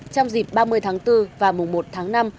trong dịp ba mươi tháng bốn và mùng một tháng năm